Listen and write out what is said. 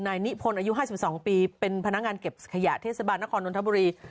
นิพนธ์อายุ๕๒ปีเป็นพนักงานเก็บขยะเทศบาลนครนนทบุรี